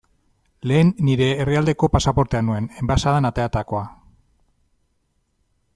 Lehen nire herrialdeko pasaportea nuen, enbaxadan ateratakoa.